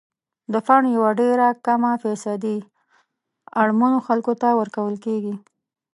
د فنډ یوه ډیره کمه فیصدي اړمنو خلکو ته ورکول کیږي.